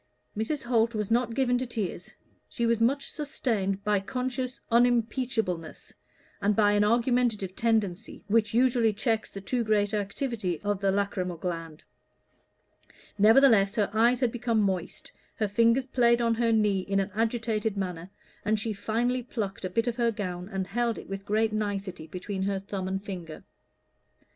Mrs. Holt was not given to tears; she was much sustained by conscious unimpeachableness, and by an argumentative tendency which usually checks the too great activity of the lachrymal gland; nevertheless her eyes had become moist, her fingers played on her knee in an agitated manner, and she finally plucked a bit of her gown and held it with great nicety between her thumb and finger.